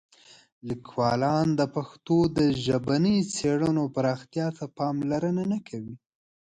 لیکوالان د پښتو د ژبني څېړنو پراختیا ته پاملرنه نه کوي.